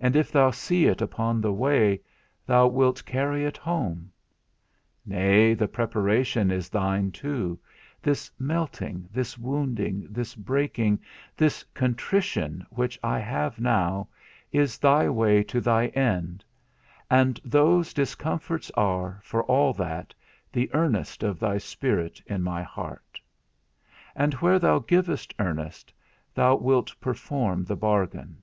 And if thou see it upon the way, thou wilt carry it home. Nay, the preparation is thine too; this melting, this wounding, this breaking, this contrition, which I have now, is thy way to thy end; and those discomforts are, for all that, the earnest of thy Spirit in my heart; and where thou givest earnest, thou wilt perform the bargain.